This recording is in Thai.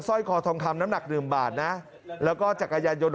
ร้อยคอทองคำน้ำหนักหนึ่งบาทนะแล้วก็จักรยานยนต์